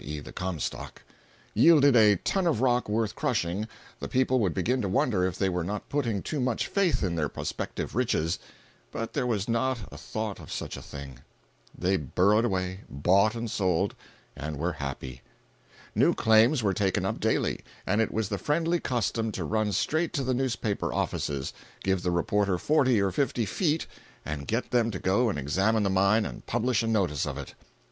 e., the "Comstock") yielded a ton of rock worth crushing, the people would begin to wonder if they were not putting too much faith in their prospective riches; but there was not a thought of such a thing. They burrowed away, bought and sold, and were happy. New claims were taken up daily, and it was the friendly custom to run straight to the newspaper offices, give the reporter forty or fifty "feet," and get them to go and examine the mine and publish a notice of it.